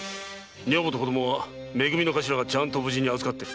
女房と子供はめ組の頭が無事に預かってる。